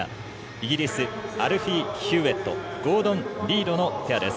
イギリスアルフィー・ヒューウェットゴードン・リードのペアです。